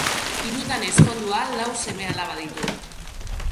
Hirutan ezkondua lau seme-alaba ditu.